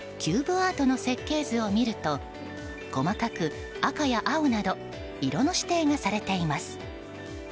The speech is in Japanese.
アートの設計図を見ると細かく、赤や青など色の指定がされています。